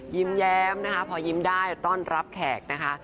ยิ้มแย้มนะคะพอยิ้มได้ต้อนรับแขกนะคะ